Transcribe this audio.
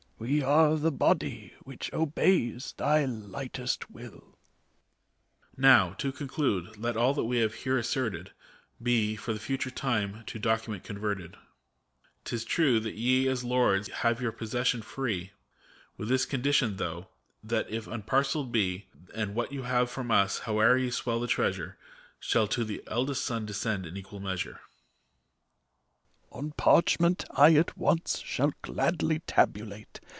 We are the body which obeys thy lightest will. 220 FAUST. EMPEROR. Now, to conclude, let all that we have here asserted, Be, for the future time, to document converted ! 'T is true that ye, as lords, have your possession free, With this condition, though, that it unparcelled be ; And what ye have from us, howe'er ye swell the treas ure, Shall to the eldest son descend in equal measure. ARCH CHANCELLOR. On parchment I, at once, shall gladly tabulate.